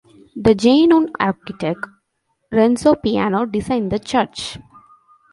The Genoan architect Renzo Piano designed the church.